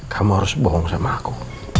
kamu harus bohong sama aku